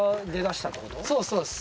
そうですそうです。